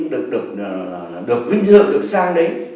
được vinh dự được sang đấy